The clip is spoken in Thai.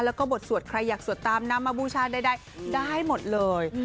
แล้วก็บทสวดใครอยากสวดตามนำมาบูชาใดได้หมดเลย